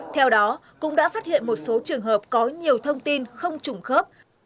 theo đó cũng đã phát hiện một số trường hợp có nhiều thông tin không trùng khớp